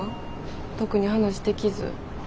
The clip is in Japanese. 特に話できず？